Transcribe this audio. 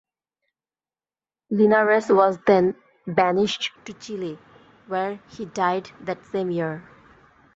Linares was then banished to Chile, where he died that same year.